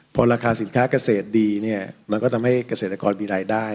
พอราคาสินค้าเกษตรดีเนี่ยมันก็ทำให้เกษตรกรมีรายได้